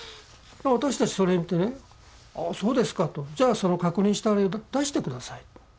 私たちそれ見て「ああそうですか」と。「じゃあその確認したあれを出して下さい」と。